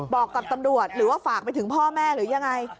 บอกกับตำรวจหรือว่าฝากไปถึงพ่อแม่หรือยังไง